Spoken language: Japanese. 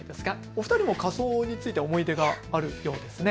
お二人も仮装について思い出があるようですね。